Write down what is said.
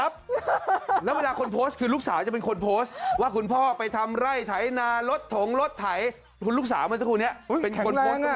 แล้วเวลาคนโพสต์คือลูกสาวจะเป็นคนโพสต์ว่าคุณพ่อไปทำไร่ไถนารถถงรถไถคุณลูกสาวเมื่อสักครู่นี้เป็นคนโพสต์